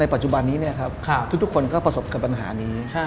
ปัจจุบันนี้ทุกคนก็ประสบกับปัญหานี้